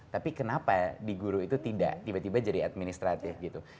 tapi kenapa di guru itu tidak tiba tiba jadi administratif gitu